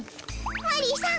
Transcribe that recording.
マリーさん